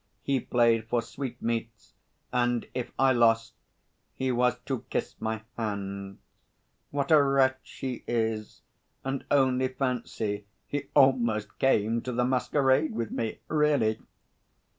He played for sweet meats, and if I lost he was to kiss my hands. What a wretch he is! And only fancy, he almost came to the masquerade with me, really!"